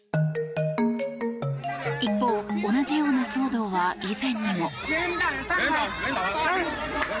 一方、同じような騒動は以前にも。